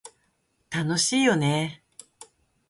楽しいよね